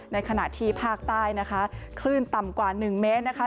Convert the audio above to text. ในขณะที่ภาคใต้นะคะคลื่นต่ำกว่า๑เมตรนะคะ